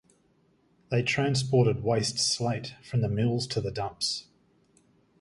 They transported waste slate from the mills to the dumps.